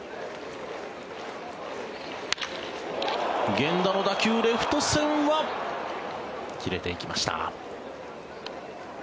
源田の打球、レフト線は切れていきました。